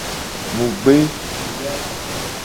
Mu gbe.